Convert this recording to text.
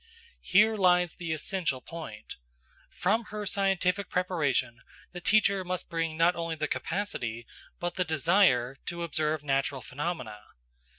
Here lies the essential point; from her scientific preparation, the teacher must bring not only the capacity, but the desire, to observe natural phenomena.